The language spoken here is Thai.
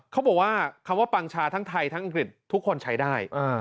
เขาบอกว่าคำว่าปังชาทั้งไทยทั้งอังกฤษทุกคนใช้ได้